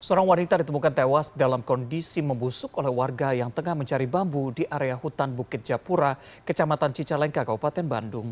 seorang wanita ditemukan tewas dalam kondisi membusuk oleh warga yang tengah mencari bambu di area hutan bukit japura kecamatan cicalengka kabupaten bandung